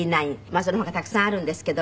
その他たくさんあるんですけども。